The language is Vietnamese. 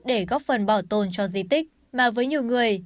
để góp phần bảo tồn cho di tích mà với nhiều người